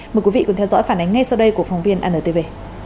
mời quý vị cùng theo dõi phản ánh ngay sau đây của phóng viên antv